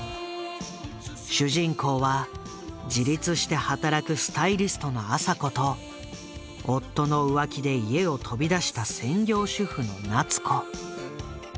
主人公は自立して働くスタイリストの麻子と夫の浮気で家を飛び出した専業主婦の夏子。